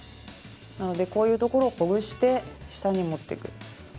こういうところをほぐして下に持っていく。